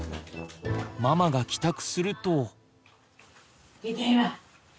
ママが帰宅すると。